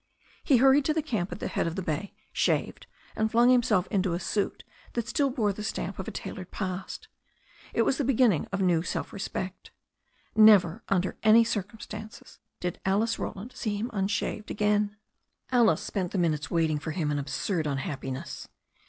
He hurried to the camp at the head of the bay, shaved, and flung himself into a suit that still bore the stamp of a tailored past. It was the beginning of a new self respect. Never under any circumstances did Alice Roland see him unshaved again. Alice spent the minutes waiting for him in absurd unhap piness.